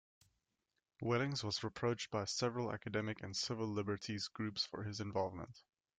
Wellings was reproached by several academic and civil liberties groups for his involvement.